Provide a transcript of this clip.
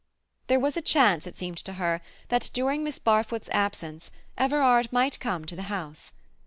There was a chance, it seemed to her, that during Miss Barfoot's absence Everard might come to the house.